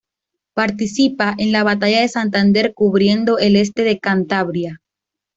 Participa en la batalla de Santander cubriendo el este de Cantabria.